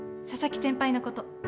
佐々木先輩のこと。